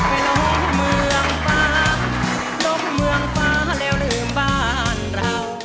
ลงเมืองฟ้าลบเมืองฟ้าแล้วลืมบ้านเรา